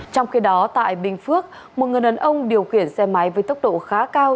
trong khi đó tại bình phước một người đàn ông điều khiển xe máy với tốc độ khá cao